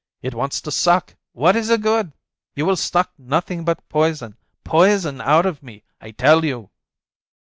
It wants to suck. What is the good? You will suck nothing but poison, poison, out of me, I tell you